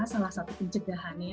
salah satu penjagaan